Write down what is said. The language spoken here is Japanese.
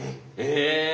え！